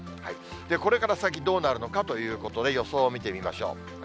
これから先どうなるのかということで、予想を見てみましょう。